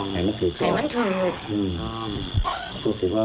แม่คนที่ตายก็ไม่มีใครเชื่อหรอก